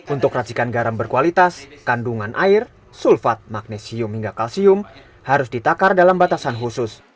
untuk racikan garam berkualitas kandungan air sulfat magnesium hingga kalsium harus ditakar dalam batasan khusus